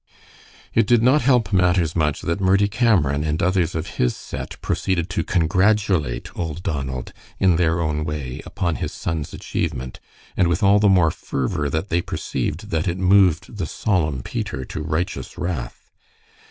It did not help matters much that Murdie Cameron and others of his set proceeded to congratulate old Donald, in their own way, upon his son's achievement, and with all the more fervor that they perceived that it moved the solemn Peter to righteous wrath.